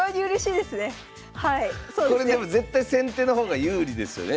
非常にこれでも絶対先手の方が有利ですよね？